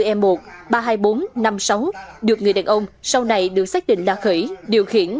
tám mươi bốn e một ba trăm hai mươi bốn năm mươi sáu được người đàn ông sau này được xác định là khởi điều khiển